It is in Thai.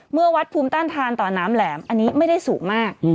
เมื่อวัดภูมิต้านทานต่อน้ำแหลมอันนี้ไม่ได้สูงมาก